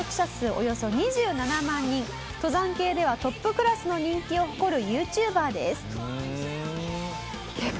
およそ２７万人登山系ではトップクラスの人気を誇るＹｏｕＴｕｂｅｒです」